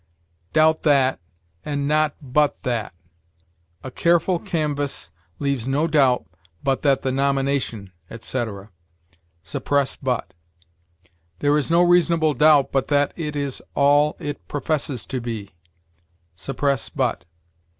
Doubt that, and not but that. "A careful canvass leaves no doubt but that the nomination," etc.: suppress but. "There is no reasonable doubt but that it is all it professes to be": suppress but.